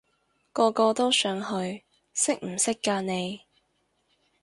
個個都想去，識唔識㗎你？